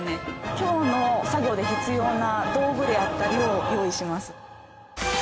今日の作業で必要な道具であったりを用意します。